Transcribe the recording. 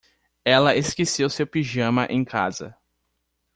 Ela esqueceu seu pijama em casa.